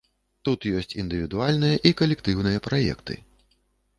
Тут ёсць індывідуальныя і калектыўныя праекты.